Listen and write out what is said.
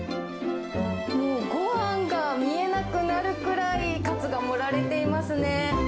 もうごはんが見えなくなるくらい、カツが盛られていますね。